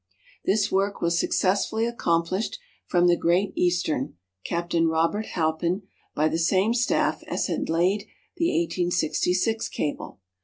This work was successfully accomplished from the Great Eastern (Captain Robert Halpin) by the same staff as had laid the 1866 cable.